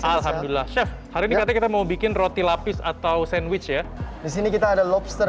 alhamdulillah chef hari ini katanya kita mau bikin roti lapis atau sandwich ya disini kita ada lobster